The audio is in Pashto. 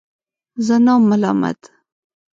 زه نه وم ملامت.